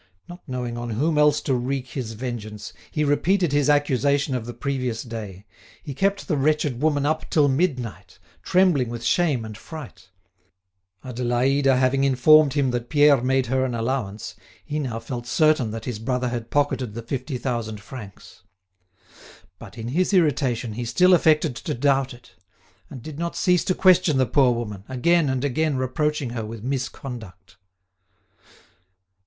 Not knowing on whom else to wreak his vengeance, he repeated his accusation of the previous day; he kept the wretched woman up till midnight, trembling with shame and fright. Adélaïde having informed him that Pierre made her an allowance, he now felt certain that his brother had pocketed the fifty thousand francs. But, in his irritation, he still affected to doubt it, and did not cease to question the poor woman, again and again reproaching her with misconduct.